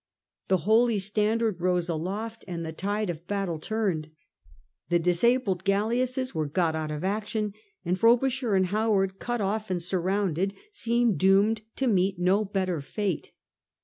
The holy standard rose aloft and the tide of battle turned. The disabled galleasses were got out of action, and Frobisher and Howard, cut off and surrounded, seemed doomed to meet no better fate.